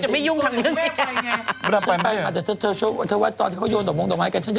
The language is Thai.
เมื่อดำจะไม่ยุ่งทักหนึ่งเมื่อดำไปดิ